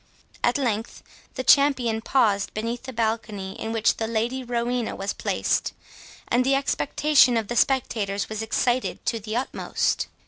At length the champion paused beneath the balcony in which the Lady Rowena was placed, and the expectation of the spectators was excited to the utmost.